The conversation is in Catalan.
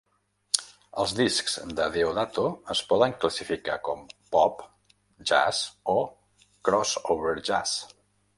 Els discs de Deodato es poden classificar com pop, jazz o crossover jazz.